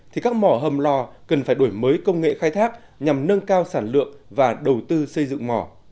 thì các mỏ hầm lò cần phải đổi mới công nghệ khai thác nhằm nâng cao sản lượng và đầu tư xây dựng mỏ